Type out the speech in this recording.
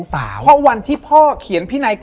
แล้วสักครั้งหนึ่งเขารู้สึกอึดอัดที่หน้าอก